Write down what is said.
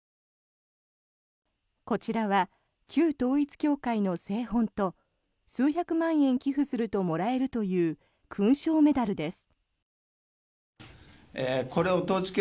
こちらは旧統一教会の聖本と数百万円寄付するともらえるという勲章メダルです。